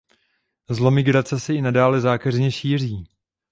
Zlo migrace se i nadále zákeřně šíří.